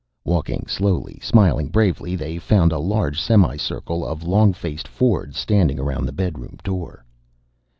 Walking slowly, smiling bravely, they found a large semi circle of long faced Fords standing around the bedroom door.